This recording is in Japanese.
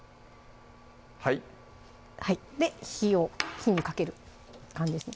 はい火にかける感じですね